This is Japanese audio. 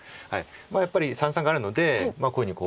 やっぱり三々があるのでこういうふうにこう。